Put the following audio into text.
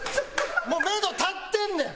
もうめど立ってんねん！